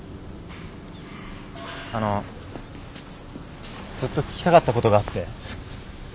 あのずっと聞きたかったことがあって。